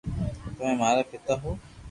تمي مارا پيتا ھون